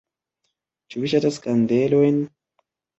Ĉu vi ŝatas kandelojn?